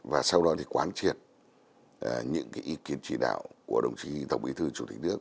và sau đó thì quán triệt những cái ý kiến chỉ đạo của đồng chí tổng bí thư chủ tịch nước